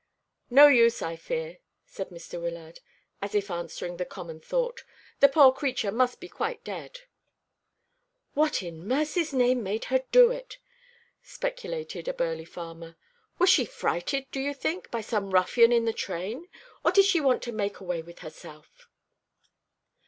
"No use, I fear," said Mr. Wyllard, as if answering the common thought. "The poor creature must be quite dead." "What, in mercy's name, made her do it?" speculated a burly farmer; "was she frighted, do you think, by some ruffian in the train; or did she want to make away with herself?"